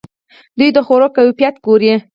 دوی د خوړو کیفیت ګوري.